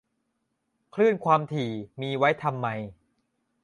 คลื่นความถี่มีไว้ทำไม